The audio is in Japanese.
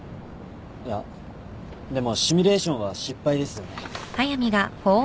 いやでもシミュレーションは失敗ですよね。